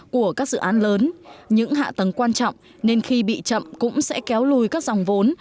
của các dự án lớn những hạ tầng quan trọng nên khi bị chậm cũng sẽ kéo lùi các dòng vốn